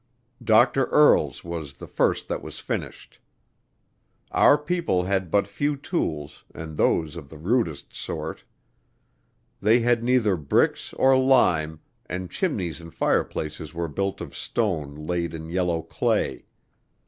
Dr. Earle's was the first that was finished. Our people had but few tools and those of the rudest sort. They had neither bricks or lime, and chimneys and fireplaces were built of stone laid in yellow clay.